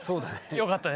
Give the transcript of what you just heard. よかったです。